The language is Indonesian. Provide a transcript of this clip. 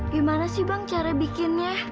gimana sih bang cara bikinnya